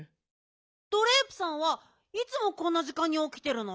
ドレープさんはいつもこんなじかんにおきてるの？